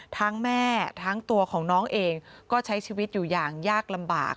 แม่ทั้งตัวของน้องเองก็ใช้ชีวิตอยู่อย่างยากลำบาก